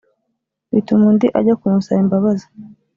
bituma undi ajya kumusaba imbabazi